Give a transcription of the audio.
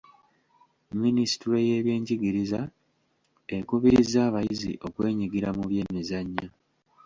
Ministule y'ebyenjigiriza ekubirizza abayizi okwenyigira mu by'emizannyo.